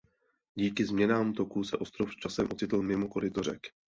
Díky změnám toku se ostrov časem ocitl mimo koryto řeky.